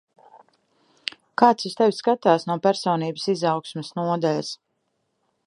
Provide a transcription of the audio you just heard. Kāds uz tevi skatās no personības izaugsmes nodaļas.